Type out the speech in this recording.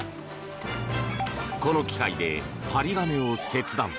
この機械で針金を切断。